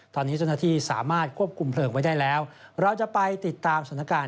ตอนนี้เจ้าหน้าที่สามารถควบคุมเพลิงไว้ได้แล้วเราจะไปติดตามสถานการณ์